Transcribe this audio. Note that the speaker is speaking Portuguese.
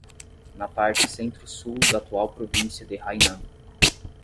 Na parte centro-sul da atual província de Hainan.